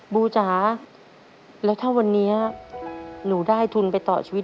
บูจ๋าแล้วถ้าวันนี้หนูได้ทุนไปต่อชีวิต